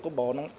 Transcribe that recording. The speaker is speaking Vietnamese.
của bộ nông